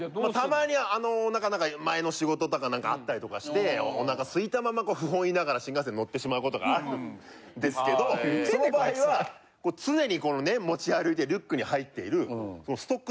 たまに何か前の仕事とか何かあったりとかしてお腹空いたまま不本意ながら新幹線乗ってしまう事があるんですけどその場合は常に持ち歩いてリュックに入っている。